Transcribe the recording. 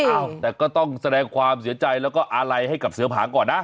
อ้าวแต่ก็ต้องแสดงความเสียใจแล้วก็อาลัยให้กับเสือผางก่อนนะ